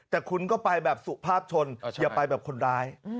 แต่คุณก็ไปแบบสุภาพชนอย่าไปแบบคนร้าย